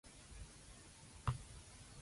你可唔可以讀呢個句子出嚟?